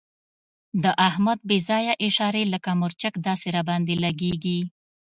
د احمد بې ځایه اشارې لکه مرچک داسې را باندې لګېږي.